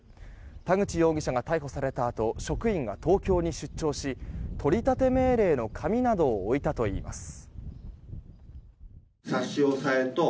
田口容疑者が逮捕されたあと職員が東京に出張し取り立て命令の紙などを置いたといいます。